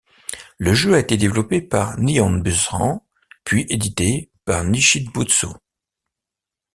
Le jeu a été développé par Nihon Bussan puis édité par Nichibutsu.